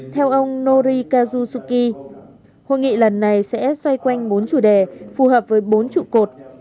theo ông norikazusuki hội nghị lần này sẽ xoay quanh bốn chủ đề phù hợp với bốn trụ cột